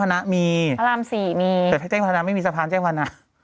พระราม๔มีแต่ถ้าแจ้งพันธนาไม่มีสะพานแจ้งพันธนา